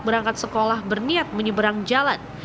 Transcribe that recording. berangkat sekolah berniat menyeberang jalan